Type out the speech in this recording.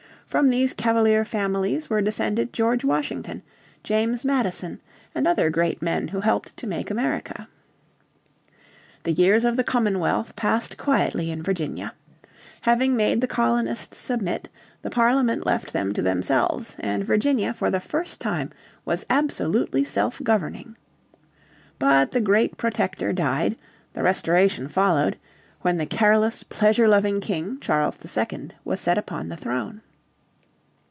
From these Cavalier families were descended George Washington, James Madison and other great men who helped to make America. The years of the Commonwealth passed quietly in Virginia. Having made the colonists submit, the Parliament left them to themselves, and Virginia for the first time was absolutely self governing. But the great Protector died, the Restoration followed, when the careless, pleasure loving King, Charles II was set upon the throne.